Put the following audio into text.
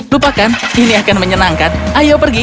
lupakan ini akan menyenangkan ayo pergi